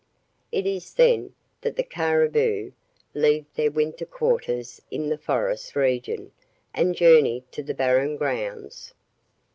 It is then that the caribou leave their winter quarters in the forest region and journey to the Barren Grounds.